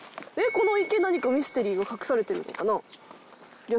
この池何かミステリーが隠されてるのかな？